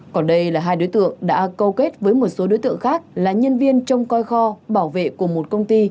còn đây là hai đối tượng đã câu kết với một số đối tượng khác là nhân viên trong coi kho bảo vệ của một công ty